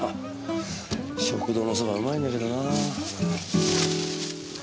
食堂のそばうまいんだけどなぁ。